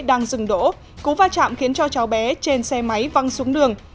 đang dừng đỗ cú va chạm khiến cho cháu bé trên xe máy văng xuống đường